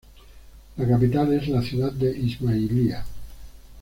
La capital es la ciudad de Ismailia.